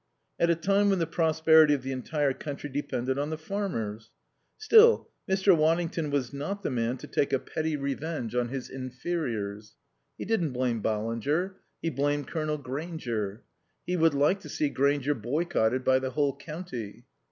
At a time when the prosperity of the entire country depended on the farmers. Still, Mr. Waddington was not the man to take a petty revenge on his inferiors. He didn't blame Ballinger; he blamed Colonel Grainger. He would like to see Grainger boycotted by the whole county.